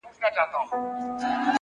لوړ فکر نوې لارې رامنځته کوي،